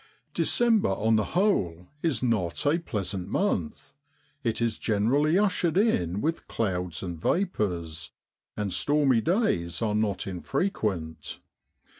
ECEMBER, on the whole, is not a pleasant month. It is generally ushered in with clouds and vapours; and stormy days are not infre quent.